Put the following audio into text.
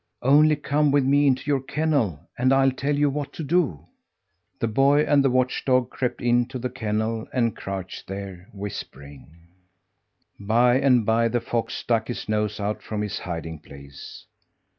"Only come with me into your kennel, and I'll tell you what to do." The boy and the watch dog crept into the kennel and crouched there, whispering. By and by the fox stuck his nose out from his hiding place.